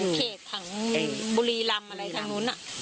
อยู่เขตขังบุรีรำอะไรทางนู้น